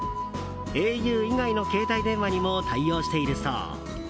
ａｕ以外の携帯電話にも対応しているそう。